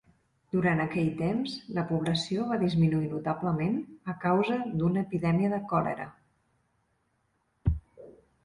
Durant aquell temps, la població va disminuir notablement a causa d'una epidèmia de còlera.